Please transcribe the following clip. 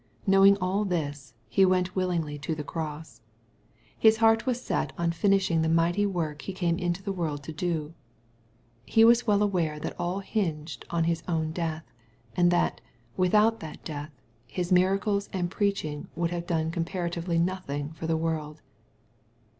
Knowing all this, He went willingly to the cross. His heart was set on finishing the mighty work He came into the world to do. He was well aware that all hinged on His own death, and that, without that death. His miracles and preaching would have done comparatively nothing for the world.